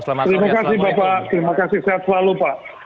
terima kasih bapak terima kasih sehat selalu pak